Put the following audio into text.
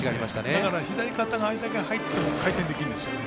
だから左肩があれだけ入っても回転できるんですよね。